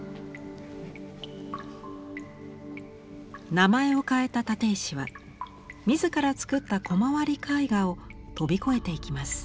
名前を変えた立石は自ら作ったコマ割り絵画を飛び越えていきます。